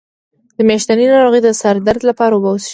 د میاشتنۍ ناروغۍ د سر درد لپاره اوبه وڅښئ